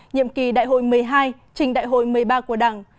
nhiệm kỳ đại hội một mươi hai trình đại hội một mươi ba của đảng